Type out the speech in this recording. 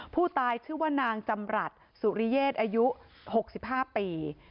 ผู้ตายชื่อว่านางจำรัฐสุริเยศอายุ๖๕ปี